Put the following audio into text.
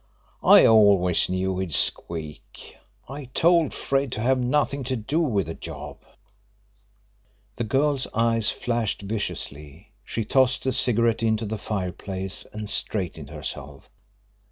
I always knew he'd squeak. I told Fred to have nothing to do with the job." The girl's eyes flashed viciously. She tossed the cigarette into the fire place and straightened herself.